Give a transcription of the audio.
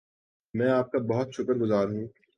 میں آپ کا بہت شکر گزار ہوں